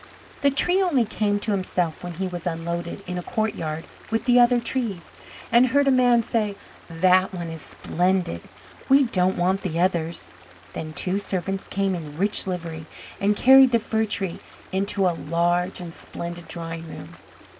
The Tree only came to himself when he was unloaded in a courtyard with the other trees, and heard a man say, "That one is splendid! we don't want the others." Then two servants came in rich livery and carried the Fir tree into a large and splendid drawing room.